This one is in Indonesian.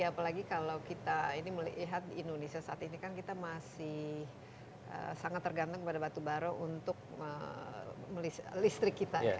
apalagi kalau kita ini melihat indonesia saat ini kan kita masih sangat tergantung kepada batubara untuk listrik kita